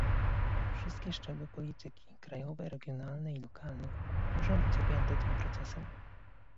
Wszystkie szczeble polityki - krajowe, regionalne i lokalne - muszą być objęte tym procesem